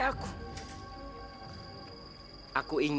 aku akan menang